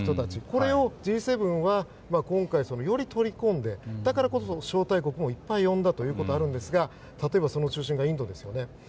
これをＧ７は今回より取り込んでだからこそ、招待国もいっぱい呼んだということがありますが例えば、その中心がインドですよね。